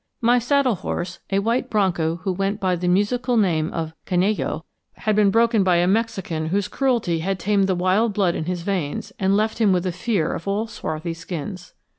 My saddle horse, a white bronco who went by the musical name of Canello, had been broken by a Mexican whose cruelty had tamed the wild blood in his veins and left him with a fear of all swarthy skins.